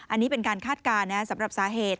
อันนี้เป็นการคาดการณ์นะสำหรับสาเหตุ